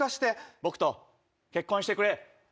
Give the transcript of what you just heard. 僕と結婚してくれ。